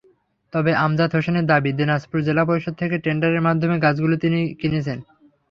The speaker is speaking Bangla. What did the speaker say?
তবে আমজাদ হোসেনের দাবি, দিনাজপুর জেলা পরিষদ থেকে টেন্ডারের মাধ্যমে গাছগুলো তিনি কিনেছেন।